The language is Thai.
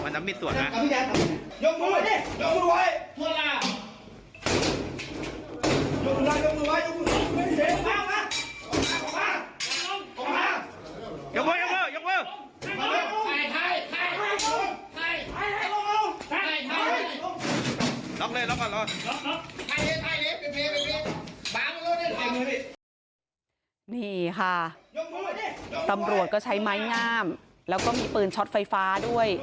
นี่ค่ะตำรวจก็ใช้ไม้งามแล้วก็มีปืนช็อตไฟฟ้าด้วย